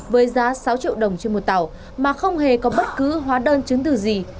với giá sáu triệu đồng trên một tàu mà không hề có bất cứ hóa đơn chứng từ gì